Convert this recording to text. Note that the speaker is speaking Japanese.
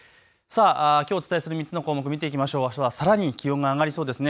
きょうお伝えする３つの項目、あすはさらに気温が上がりそうです。